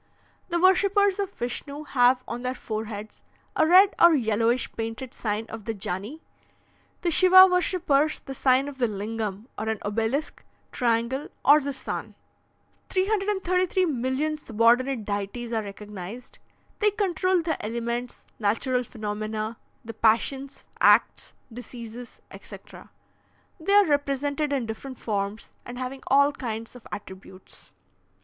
"The worshippers of Vishnu have on their foreheads a red or yellowish painted sign of the Jani; the Shiva worshippers, the sign of the Lingam, or an obelisk, triangle, or the sun. "333,000,000 subordinate deities are recognised. They control the elements, natural phenomena, the passions, acts, diseases, etc. They are represented in different forms and having all kinds of attributes.